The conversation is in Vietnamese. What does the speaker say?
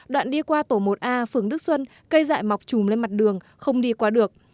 đoạn đi qua tổ một a phường đức xuân cây dại mọc trùm lên mặt đường không đi qua được